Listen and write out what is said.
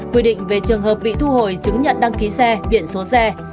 quy định về trường hợp bị thu hồi chứng nhận đăng ký xe biện số xe